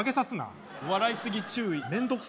笑いすぎ注意！